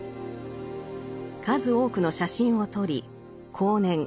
数多くの写真を撮り後年